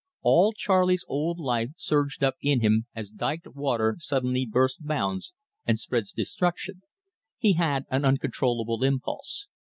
All Charley's old life surged up in him as dyked water suddenly bursts bounds and spreads destruction. He had an uncontrollable impulse.